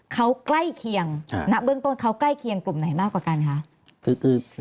เขาใกล้เคียงณเบื้องต้นเขาใกล้เคียงกลุ่มไหนมากกว่ากันคะ